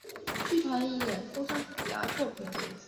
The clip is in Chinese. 剧团以演出莎士比亚作品为主。